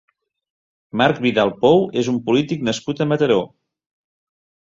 Marc Vidal Pou és un polític nascut a Mataró.